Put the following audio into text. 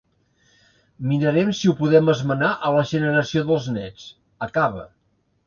"Mirarem si ho podem esmenar a la generació dels néts!", acaba.